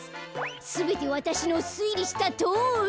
すべてわたしのすいりしたとおり。